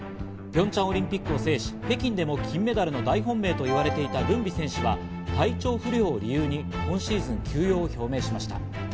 ピョンチャンオリンピックを制し、北京でも金メダルの大本命と言われていたルンビ選手は体調不良を理由に今シーズンの休養を表明しました。